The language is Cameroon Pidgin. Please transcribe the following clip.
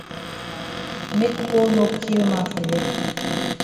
Make cold no ki man for here.